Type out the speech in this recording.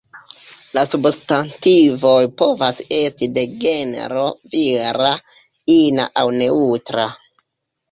La substantivoj povas esti de genro vira, ina aŭ neŭtra.